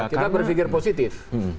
kita berpikir positif